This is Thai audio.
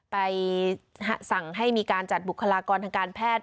ไปสั่งให้มีการจัดบุคลากรทางการแพทย์